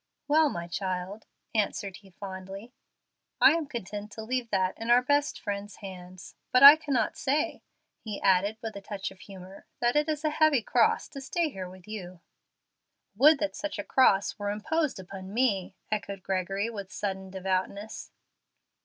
"Well, my child," answered he, fondly. "I am content to leave that in our best Friend's hands. But I cannot say," he added, with a touch of humor, "that it's a heavy cross to stay here with you." "Would that such a cross were imposed upon me!" echoed Gregory, with sudden devoutness.